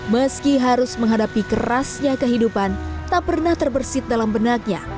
meski harus menghadapi kerasnya kehidupan tak pernah terbersih dalam benaknya